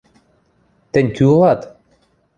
Тӹнь кӱ ылат?